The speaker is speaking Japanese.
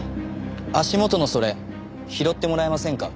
足元のそれ拾ってもらえませんか？